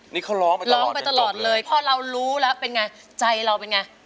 นี่เขาร้องไปแล้วร้องไปตลอดเลยพอเรารู้แล้วเป็นไงใจเราเป็นไง